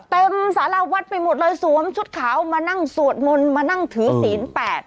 สารวัดไปหมดเลยสวมชุดขาวมานั่งสวดมนต์มานั่งถือศีลแปด